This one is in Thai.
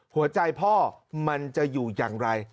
หัวใจพ่อมันจะอยู่อย่างไร